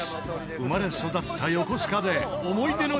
生まれ育った横須賀で思い出の地を巡る旅へ。